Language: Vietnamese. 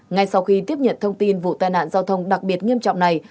ngay sau khi tiếp nhận thông tin vụ tai nạn giao thông đặc biệt nghiêm trọng này